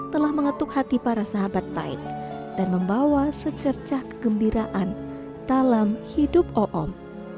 telah mengetuk hati para sahabat baik dan membawa secercah kegembiraan dalam hidup oom ⁇